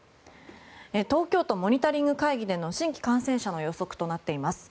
東京都モニタリング会議での新規感染者の予測となっています。